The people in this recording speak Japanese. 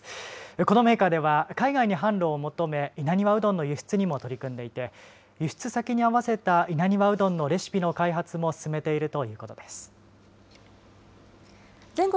このメーカーでは海外に販路を求め稲庭うどんの輸出にも取り組んでいて輸出先に合わせた稲庭うどんのレシピの開発も進めているということです。